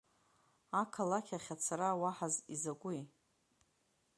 Ақалақь ахь ацара, уаҳа изакәи?